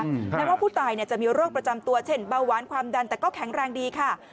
แม้ว่าผู้ตายจะมีโรคประจำตัวเช่นเบาหวานความดันแต่ก็แข็งแรงดีค่ะ